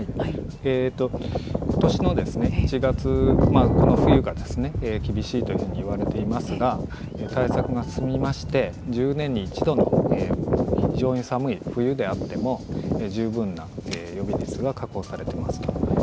今年の１月この冬が厳しいというふうに言われていますが対策が進みまして１０年に一度の非常に寒い冬であっても十分な予備率が確保されてますと。